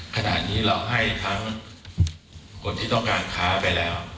ขณะนี้เราให้ทั้งคนที่ต้องการค้าไปแล้ว